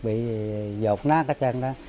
bị giột nát hết trơn đó